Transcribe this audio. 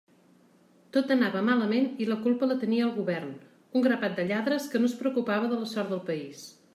Tot anava malament i la culpa la tenia el govern, un grapat de lladres que no es preocupava de la sort del país.